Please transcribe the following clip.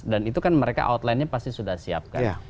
dan itu kan mereka outlinenya pasti sudah siapkan